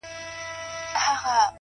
خو كله ؛ كله مي بيا؛